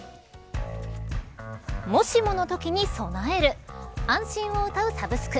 もしものときに備える安心をうたうサブスク。